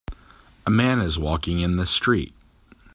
A man is walking in the street.